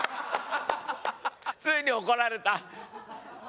ついに怒られた。